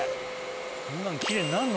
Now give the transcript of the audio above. こんなの奇麗になんの？